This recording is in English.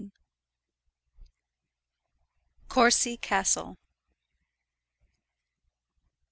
COURCY CASTLE.